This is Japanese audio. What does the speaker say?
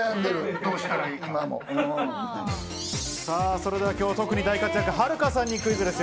それでは特に大活躍のはるかさんにクイズです。